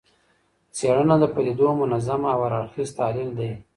څېړنه د پدیدو منظم او هر اړخیز تحلیل دی.